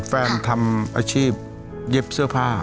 ทำอาชีพเย็บเสื้อผ้า